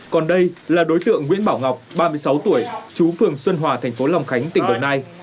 còn đây là đối tượng nguyễn bảo ngọc ba mươi sáu tuổi chú phường xuân hòa thành phố long khánh tỉnh đồng nai